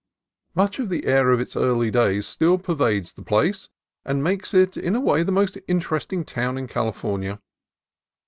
Much of the air of its early days still pervades the place, and makes it in a way the most interesting town in California.